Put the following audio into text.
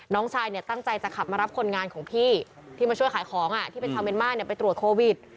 น้องชายเนี่ยตั้งใจจะขับมารับคนงานของพี่ที่มาช่วยขายของที่เป็นชาวเมียนมาร์ไปตรวจโควิด